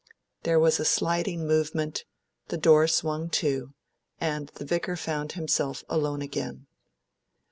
There was a sliding movement, the door swung to, and the Vicar found himself alone again.